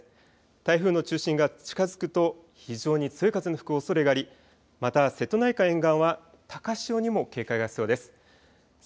台風の中心が近づくと非常に強い風の吹くおそれがありまた瀬戸内海沿岸は高潮にも警戒が必要です。